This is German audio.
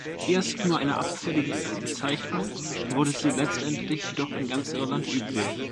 Erst nur eine abfällige Bezeichnung wurde sie letztendlich doch in ganz Irland üblich.